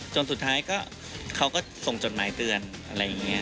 สุดท้ายก็เขาก็ส่งจดหมายเตือนอะไรอย่างนี้